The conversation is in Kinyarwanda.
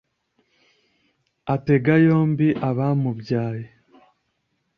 atega yombi abamubyaye